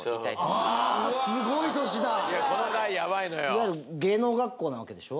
いわゆる芸能学校なわけでしょ？